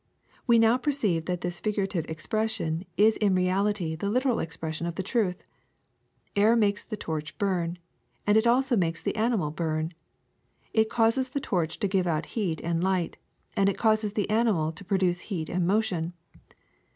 ^ We now perceive that this figurative expression is in reality the literal expression of the truth. Air makes the torch burn, and it also makes the animal burn. It causes the torch to give out heat and light, and it causes the animals to produce heat and motion.